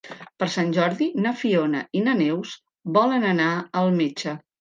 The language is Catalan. Per Sant Jordi na Fiona i na Neus volen anar al metge.